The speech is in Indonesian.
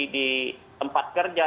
di tempat kerja